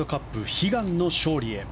悲願の勝利へ！